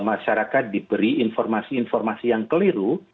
di mana masyarakat diberi informasi informasi yang keliru